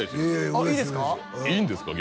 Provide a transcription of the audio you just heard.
あっいいですか？